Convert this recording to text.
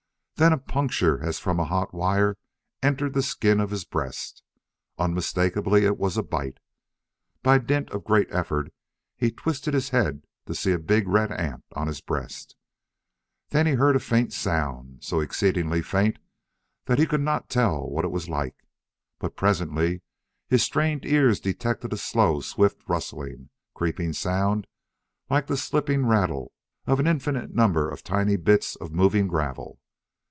Then a puncture, as from a hot wire, entered the skin of his breast. Unmistakably it was a bite. By dint of great effort he twisted his head to see a big red ant on his breast. Then he heard a faint sound, so exceedingly faint that he could not tell what it was like. But presently his strained ears detected a low, swift, rustling, creeping sound, like the slipping rattle of an infinite number of tiny bits of moving gravel.